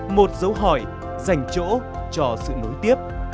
một dấu hỏi dành chỗ cho sự nối tiếp